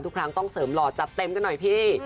ทุกครั้งเต้นเสิร์มหลอจะเต็มกันหน่อยพี่